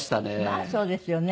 まあそうですよね。